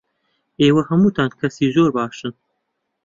ئێوە هەمووتان کەسی زۆر باشن.